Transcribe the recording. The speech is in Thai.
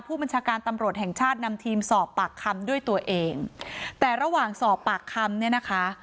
ผู้บัญชาการตำรวจแห่งชาตินำทีมสอบปากคำด้วยตัวเองแต่ระหว่างสอบปากคำเนี่ยนะคะ